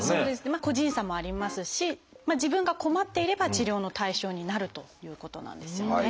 個人差もありますし自分が困っていれば治療の対象になるということなんですよね。